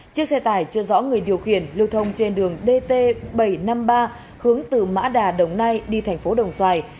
chiếc xe tải chưa rõ người điều khiển lưu thông trên đường dt bảy trăm năm mươi ba hướng từ mã đà đồng nai đi thành phố đồng xoài